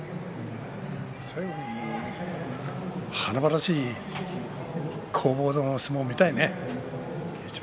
最後に華々しい攻防のある相撲を見たいね。